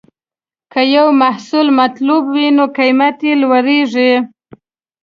که یو محصول مطلوب وي، نو قیمت یې لوړېږي.